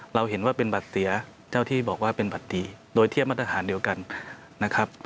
เราเห็นว่าเป็นบัตรเสียเจ้าที่บอกว่าเป็นบัตรดีโดยเทียบมาตรฐานเดียวกันนะครับ